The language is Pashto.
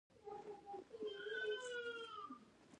يا ناکامه محبت شي بيا عنوان د افسانې وي